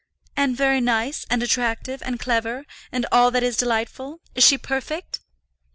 "And very nice, and attractive, and clever, and all that is delightful? Is she perfect?"